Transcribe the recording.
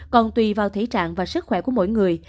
còn tùy vào thể trạng và sức khỏe của mỗi người